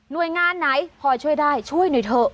โดยงานไหนพอช่วยได้ช่วยหน่อยเถอะ